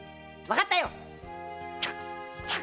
わかったよ！